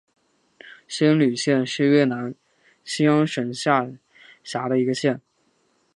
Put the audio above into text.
仙侣县是越南兴安省下辖的一个县。